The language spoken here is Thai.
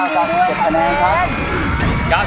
ยินดีเลยค่ะ